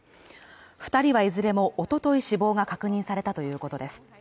二人はいずれもおととい死亡が確認されたということです